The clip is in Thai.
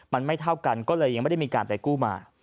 มันไม่เท่ากันก็เลยยังไม่ได้มีการไปกู้มา